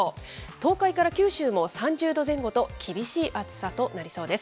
東海から九州も３０度前後と、厳しい暑さとなりそうです。